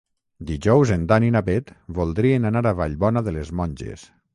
Dijous en Dan i na Bet voldrien anar a Vallbona de les Monges.